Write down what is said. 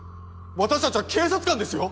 私たちは警察官ですよ！